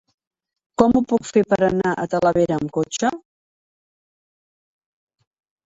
Com ho puc fer per anar a Talavera amb cotxe?